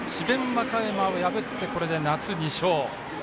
和歌山を破ってこれで夏２勝。